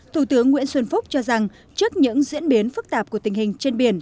thủ tướng nguyễn xuân phúc cho rằng trước những diễn biến phức tạp của tình hình trên biển